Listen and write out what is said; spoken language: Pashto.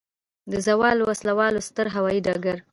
د زاول وسلوالی ستر هوایي ډګر